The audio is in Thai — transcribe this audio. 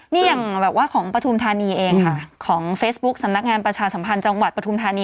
นี่อย่างแบบว่าของปฐุมธานีเองค่ะของเฟซบุ๊กสำนักงานประชาสัมพันธ์จังหวัดปฐุมธานี